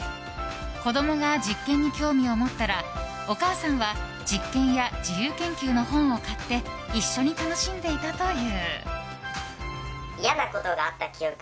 子供が実験に興味を持ったらお母さんは実験や自由研究の本を買って一緒に楽しんでいたという。